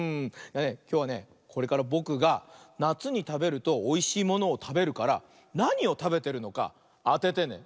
きょうはねこれからぼくがなつにたべるとおいしいものをたべるからなにをたべてるのかあててね。